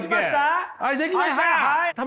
はい出来ました！